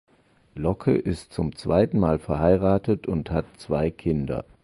Locke ist zum zweiten Mal verheiratet und hat zwei Kinder.